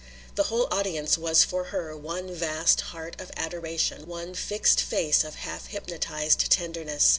The whole audience was for her one vast heart of adoration, one fixed face of half hypnotized tenderness.